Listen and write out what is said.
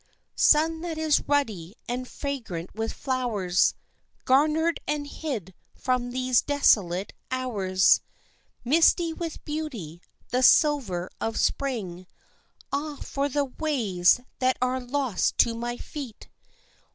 Sun that is ruddy and fragrant with flowers, Garnered and hid from these desolate hours, Misty with beauty, the silver of spring Ah, for the ways that are lost to my feet!